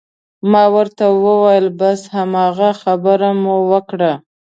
ما ورته وویل: بس هماغه خبره مو وکړه.